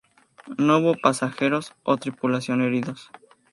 No hubo pasajeros o tripulación heridos.